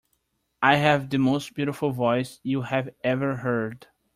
I have the most beautiful voice you have ever heard.